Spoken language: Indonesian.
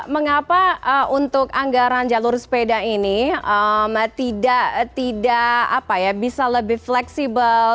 mengapa untuk anggaran jalur sepeda ini tidak bisa lebih fleksibel